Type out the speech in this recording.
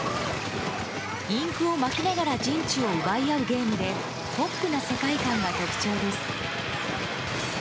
インクをまきながら陣地を奪い合うゲームでポップな世界観が特徴です。